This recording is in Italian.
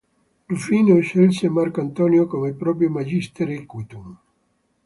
Rufino scelse Marco Antonio come proprio "magister equitum".